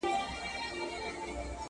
شمعي زما پر اوښکو که پر ځان راسره وژړل؛